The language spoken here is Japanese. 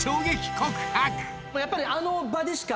やっぱり。